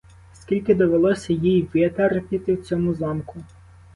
Скільки довелося їй витерпіти в цьому замку.